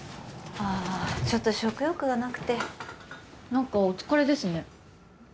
ああちょっと食欲がなくて何かお疲れですね？